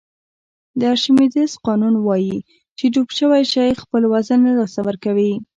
د ارشمیدس قانون وایي چې ډوب شوی شی خپل وزن له لاسه ورکوي.